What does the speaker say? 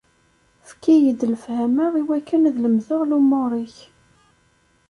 Efk-iyi-d lefhama iwakken ad lemdeɣ lumuṛ-ik.